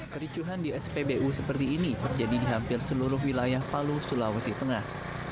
kericuhan di spbu seperti ini terjadi di hampir seluruh wilayah palu sulawesi tengah